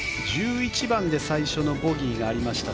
１１番で最初のボギーがありました。